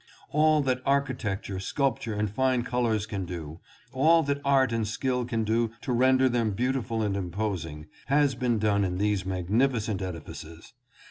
All that architecture, sculp ture, and fine colors can do, all that art and skill can do to render them beautiful and imposing, has been done in these magnificent edifices.